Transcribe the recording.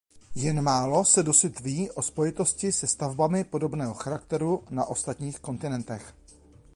Jen málo se dosud ví o spojitosti se stavbami podobného charakteru na ostatních kontinentech.